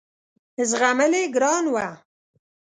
زغمل یې ګران وه.